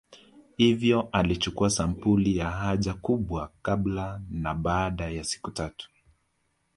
Hivyo alichukua sampuli ya haja kubwa kabla na baada ya siku tatu